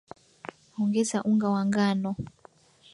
Ongeza unga wa ngano